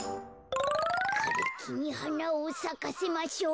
「かれきにはなをさかせましょう」。